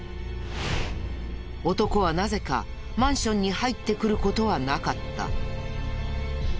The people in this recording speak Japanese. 男はなぜかマンションに入ってくる事はなかった。